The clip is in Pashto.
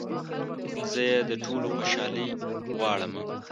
زه يې د ټولو خوشحالي غواړمه